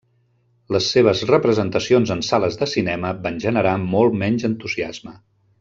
Les seves representacions en sales de cinema van generar molt menys entusiasme.